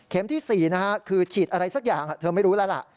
ที่๔คือฉีดอะไรสักอย่างเธอไม่รู้แล้วล่ะ